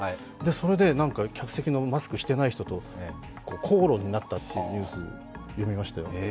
それで客席のマスクしていない人と口論になったというニュース詠みましたよ。